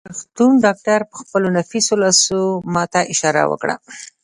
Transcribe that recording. د روغتون ډاکټر په خپلو نفیسو لاسو ما ته اشاره وکړه.